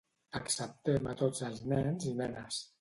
Acceptem a tots els nens i nenes.